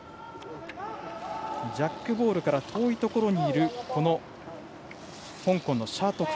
ジャックボールから遠いところにいる香港の謝徳樺。